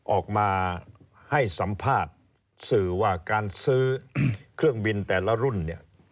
ออกมาให้สัมภาษณ์สื่อว่าการซื้อเครื่องบินแต่ละรุ่นเนี่ย